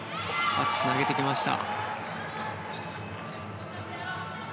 つなげてきました。